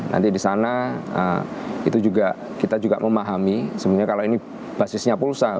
nanti di sana itu juga kita juga memahami sebenarnya kalau ini basisnya pulsal